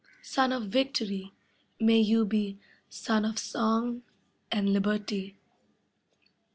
Sun of victory, may you be Sun of song and liberty.